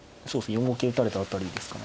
４五桂打たれた辺りですかね。